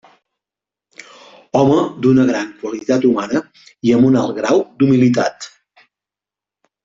Home d'una gran qualitat humana i amb un alt grau humilitat.